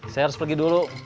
saya harus pergi dulu